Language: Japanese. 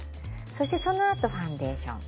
そしてそのあとファンデーション。